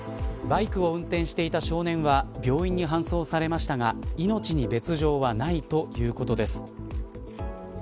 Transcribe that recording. バイクを運転していた少年は病院に搬送されましたが命に別条はないということです。